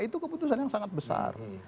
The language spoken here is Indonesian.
itu keputusan yang sangat besar